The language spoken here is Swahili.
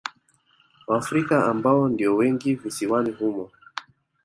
Waafrika ambao ndio wengi visiwani humo